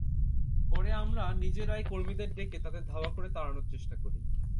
পরে আমরা নিজেরাই কর্মীদের ডেকে তাদের ধাওয়া করে তাড়ানোর চেষ্টা করি।